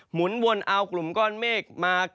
หุนวนเอากลุ่มก้อนเมฆมา